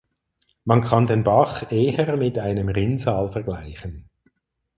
Man kann den Bach eher mit einem Rinnsal vergleichen.